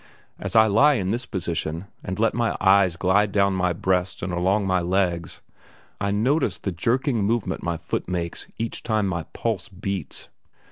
As I lie in this position, and let my eyes glide down my breast and along my legs, I notice the jerking movement my foot makes each time my pulse beats.